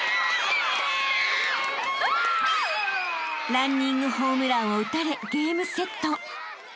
［ランニングホームランを打たれゲームセット］